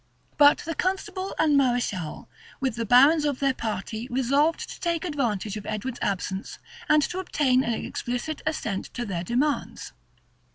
But the constable and mareschal, with the barons of their party resolved to take advantage of Edward's absence and to obtain an explicit assent to their demands.